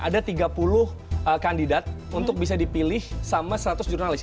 ada tiga puluh kandidat untuk bisa dipilih sama seratus jurnalis